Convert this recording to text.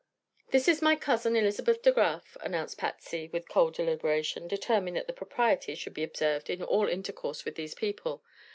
"This is my cousin, Elizabeth De Graf," announced Patsy, with cold deliberation, determined that the proprieties should be observed in all intercourse with these people.